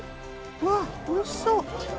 うわっおいしそう。